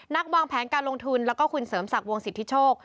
วางแผนการลงทุนแล้วก็คุณเสริมศักดิ์วงสิทธิโชค